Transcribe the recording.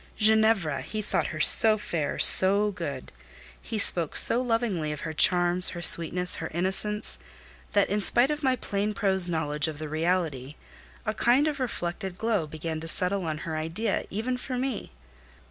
"Ginevra!" He thought her so fair, so good; he spoke so lovingly of her charms, her sweetness, her innocence, that, in spite of my plain prose knowledge of the reality, a kind of reflected glow began to settle on her idea, even for me.